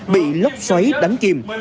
bị lốc xoáy đánh kìm